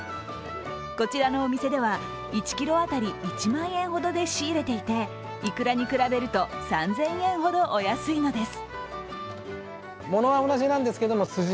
こちらのお店では１ｋｇ当たり１万円ほどで仕入れていて、イクラに比べると３０００円ほどお安いのです。